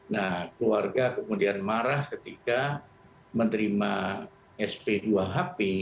nah keluarga kemudian marah ketika menerima sp dua hp